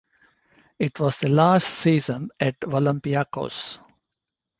It was the last season at Olympiakos.